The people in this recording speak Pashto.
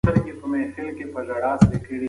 آیا په کور کې کوم بل موټر د تګ لپاره شته؟